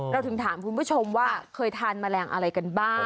เราถึงถามคุณผู้ชมว่าเคยทานแมลงอะไรกันบ้าง